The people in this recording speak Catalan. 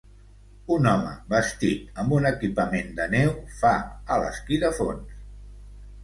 Un home vestit amb un equipament de neu fa a l'esquí de fons.